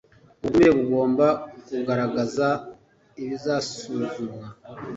ubutumire bugomba kugaragaza ibizasuzumwa